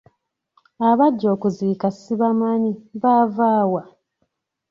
Abajja okuziika sibamanyi, baava wa?